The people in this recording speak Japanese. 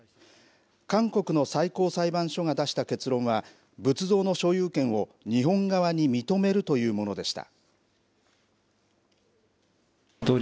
韓国の最高裁判所が出した結論は仏像の所有権を日本側に認めるというものでした。